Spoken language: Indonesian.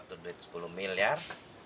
kalo udah dapet duit sepuluh miliar